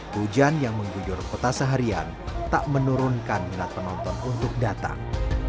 hujan yang mengguyur kota seharian tak menurunkan minat penonton untuk datang